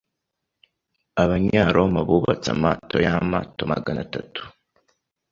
Abanyaroma bubatse amato yamato magana atatu.